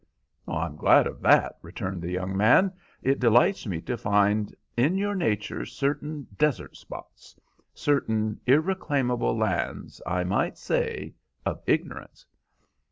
"I am glad of that," returned the young man. "It delights me to find in your nature certain desert spots—certain irreclaimable lands, I might say—of ignorance."